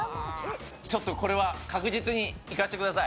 ちょっとこれは確実にいかせてください。